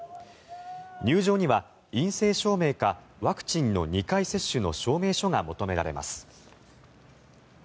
入場には陰性証明かワクチンの２回接種の証明書が求められます。